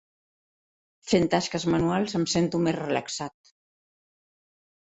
Fent tasques manuals em sento més relaxat.